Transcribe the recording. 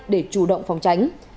để chủ động phòng tránh